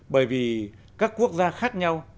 bởi vì các quốc gia khác nhau